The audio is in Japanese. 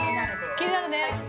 ◆気になるね。